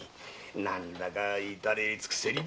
何だか至れり尽くせりで。